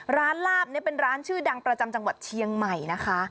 ลาบนี้เป็นร้านชื่อดังประจำจังหวัดเชียงใหม่นะคะ